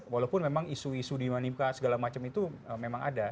walaupun memang isu isu di manifka segala macam itu memang ada